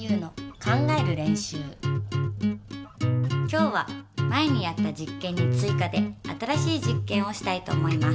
今日は前にやった実験に追加で新しい実験をしたいと思います。